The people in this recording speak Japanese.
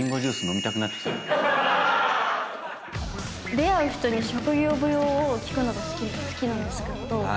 出会う人に職業病を聞くのが好きなんですけど。